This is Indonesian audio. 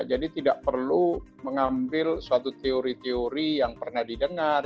jadi tidak perlu mengambil suatu teori teori yang pernah didengar